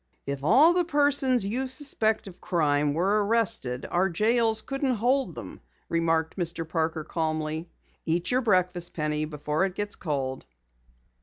"If all the persons you suspect of crime were arrested, our jails couldn't hold them," remarked Mr. Parker calmly. "Eat your breakfast, Penny, before it gets cold."